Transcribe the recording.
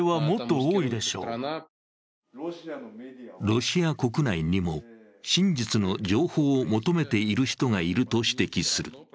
ロシア国内にも、真実の情報を求めている人がいると指摘する。